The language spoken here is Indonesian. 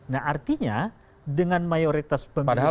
nah artinya dengan mayoritas pemilih